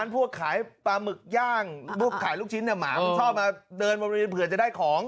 พวกขายปลาหมึกย่างพวกขายลูกชิ้นหมามันชอบมาเดินบริเวณเผื่อจะได้ของ